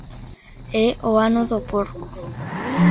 É o Ano do Porco.